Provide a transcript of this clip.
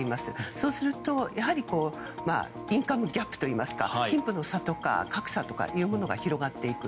そうすると、やはりインカムギャップといいますか貧富の差とか格差が広がっていく。